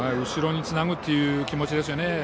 後ろにつなぐという気持ちですよね。